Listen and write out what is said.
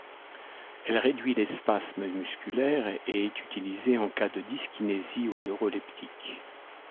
Elle réduit les spasmes musculaires et est utilisée en cas de dyskinésie aux neuroleptiques.